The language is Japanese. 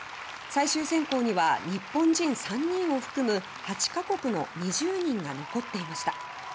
最終選考には日本人３人を含む、８か国の２０人が残っていました。